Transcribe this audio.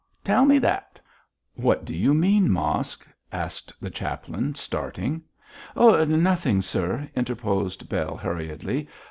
Tell me that!' 'What do you mean, Mosk?' asked the chaplain, starting. 'Nothing, sir,' interposed Bell, hurriedly.